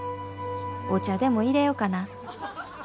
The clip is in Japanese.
お茶でもいれよかな。